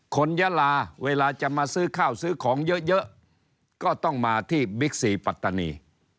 ยาลาเวลาจะมาซื้อข้าวซื้อของเยอะก็ต้องมาที่บิ๊กซีปัตตานี